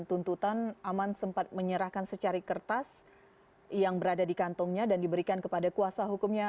tuntutan aman sempat menyerahkan secari kertas yang berada di kantongnya dan diberikan kepada kuasa hukumnya